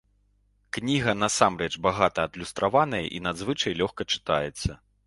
Кніга насамрэч багата адлюстраваная і надзвычай лёгка чытаецца.